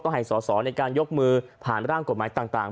ให้สอสอในการยกมือผ่านร่างกฎหมายต่าง